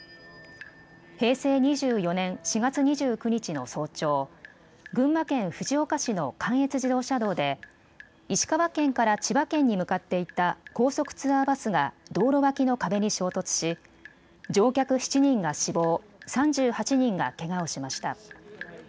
平成２４年４月２９日の早朝、群馬県藤岡市の関越自動車道で石川県から千葉県に向かっていた高速ツアーバスが道路脇の壁に衝突し乗客７人が死亡、３８人がけがをしました。